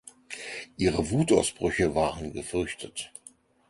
Ihre Wutausbrüche waren gefürchtet.